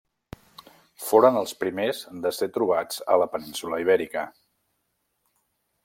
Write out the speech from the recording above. Foren els primers de ser trobats a la península Ibèrica.